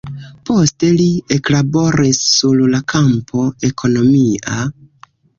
Poste li eklaboris sur la kampo ekonomia.